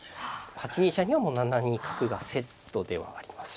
８ニ飛車には７ニ角がセットではあります。